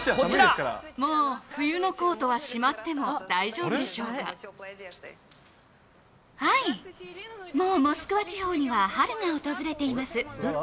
もう冬のコートはしまってもはい、もうモスクワ地方には春が訪れています。